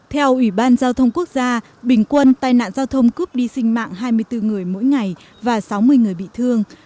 theo ủy ban giao thông quốc gia bình quân tai nạn giao thông cướp đi sinh mạng hai mươi bốn người mỗi ngày và sáu mươi người bị thương